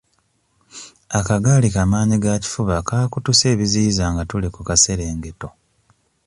Akagaali ka maanyigakifuba kaakutuse ebiziyiza nga tuli ku kaserengeto.